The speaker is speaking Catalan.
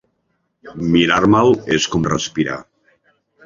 Mirar-me'l és com respirar.